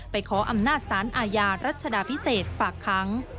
ขออำนาจสารอาญารัชดาพิเศษฝากค้าง